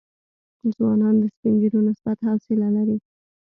ځوانان د سپین ږیرو نسبت حوصله لري.